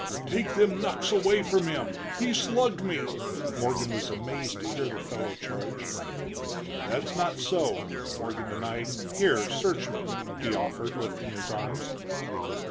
"Take them knucks away from him! he slugged me!" Morgan was amazed to hear the fellow charge. "That's not so!" Morgan denied. "Here search me," he offered, lifting his arms.